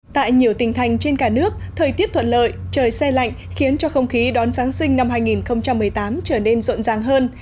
tại nhiều tỉnh thành trên cả nước thời tiết thuận lợi trời xe lạnh khiến cho không khí đón giáng sinh năm hai nghìn một mươi tám trở nên rộn ràng hơn